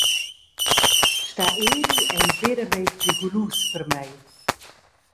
Star eri ei veramein prigulus per mei.